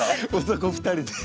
男２人で。